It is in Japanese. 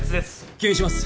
吸引します。